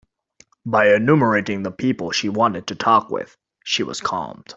By enumerating the people she wanted to talk with, she was calmed.